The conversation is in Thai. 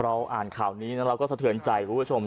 อ่านข่าวนี้แล้วเราก็สะเทือนใจคุณผู้ชม